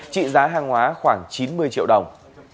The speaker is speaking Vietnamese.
trị giá hàng hóa khoảng chín mươi triệu đồng